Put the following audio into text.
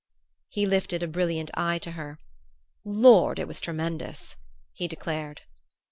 He lifted a brilliant eye to her. "Lord, it was tremendous!" he declared.